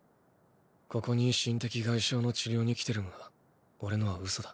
ここに心的外傷の治療に来てるがオレのは嘘だ。